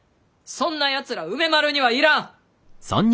そんなやつらは梅丸には要らん。